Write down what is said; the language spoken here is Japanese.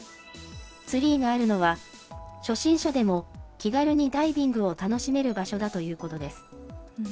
ツリーがあるのは、初心者でも気軽にダイビングを楽しめる場所だということです。